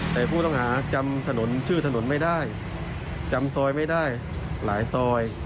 แต่ผู้ต้องหาจำถนนชื่อถนนไม่ได้จำซอยไม่ได้หลายซอย